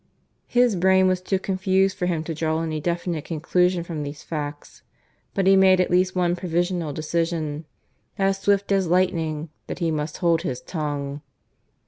His brain was too confused for him to draw any definite conclusion from these facts; but he made at least one provisional decision, as swift as lightning, that he must hold his tongue.